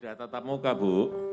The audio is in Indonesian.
sudah tetap muka bu